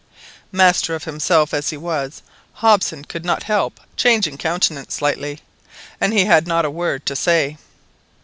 Master of himself as he was, Hobson could not help changing countenance slightly, and he had not a word to say.